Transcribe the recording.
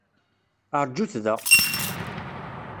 Rjut da!